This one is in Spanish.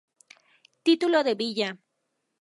Titulo de Villa.